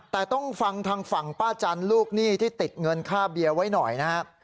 แต่ต้องฟังทางฝั่งป้าจันทร์ลูกหนี้ที่ติดเงินค่าเบียร์ไว้หน่อยนะครับ